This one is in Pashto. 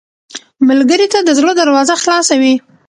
ملګری ته د زړه دروازه خلاصه وي